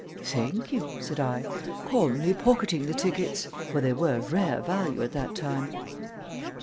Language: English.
"Thank you," said I, calmly pocketing the tickets, for they were of rare value at that time.